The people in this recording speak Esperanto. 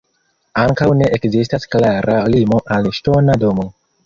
Ankaŭ ne ekzistas klara limo al ŝtona domo.